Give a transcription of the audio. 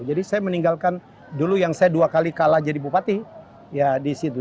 jadi saya meninggalkan dulu yang saya dua kali kalah jadi bupati ya di situ